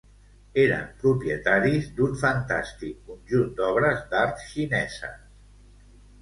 Eren propietaris d'un fantàstic conjunt d'obres d'art xineses.